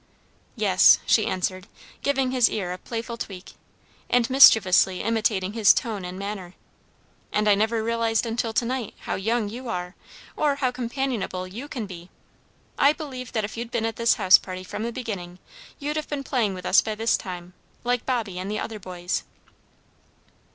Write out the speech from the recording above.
"Yes," she answered, giving his ear a playful tweak, and mischievously imitating his tone and manner. "And I never realised until to night how young you are, or how companionable you can be. I believe that if you'd been at this house party from the beginning, you'd have been playing with us by this time, like Bobby and the other boys.